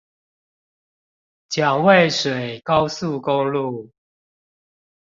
蔣渭水高速公路